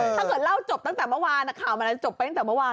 ถ้าเกิดเล่าจบตั้งแต่เมื่อวานข่าวมันจะจบไปตั้งแต่เมื่อวาน